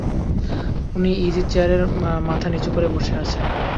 তিনি ইজিচেয়ারে মাথা নিচু করে বসে আছেন।